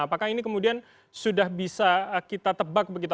apakah ini kemudian sudah bisa kita tebak begitu